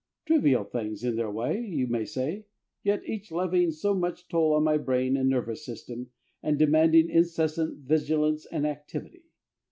Trivial things in their way, you may say, yet each levying so much toll on my brain and nervous system, and demanding incessant vigilance and activity.